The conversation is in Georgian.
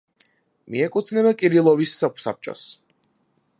მიეკუთვნება კირილოვის სოფსაბჭოს.